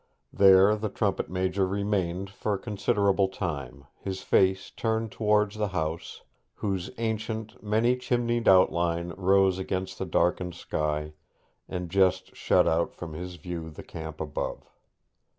There the trumpet major remained for a considerable time, his face turned towards the house, whose ancient, many chimneyed outline rose against the darkened sky, and just shut out from his view the camp above.